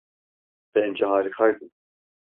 Bence harikaydın.